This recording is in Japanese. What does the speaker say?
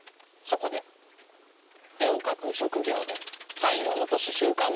そこで絵を描く職業でサインを残す習慣のない人物。